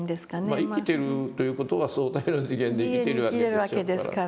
まあ生きてるという事は相対の次元で生きてるわけでしょうから。